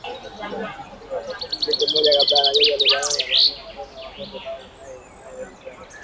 Siku moja kabla wanajeshi waliwaua wapiganaji wanane wa kundi la Mai Mai Mazembe